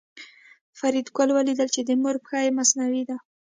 فریدګل ولیدل چې د مور پښه یې مصنوعي ده